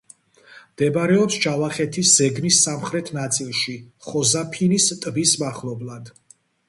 მდებარეობს ჯავახეთის ზეგნის სამხრეთ ნაწილში, ხოზაფინის ტბის მახლობლად.